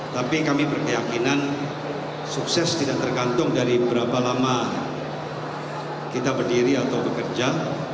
tapi kami berkeyakinan sukses tidak tergantung dari berapa lama kita berdiri atau bekerja